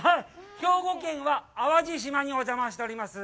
兵庫県は淡路島にお邪魔しております。